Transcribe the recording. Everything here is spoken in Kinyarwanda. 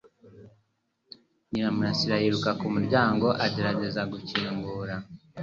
Nyiramurasira yiruka ku muryango agerageza gukingura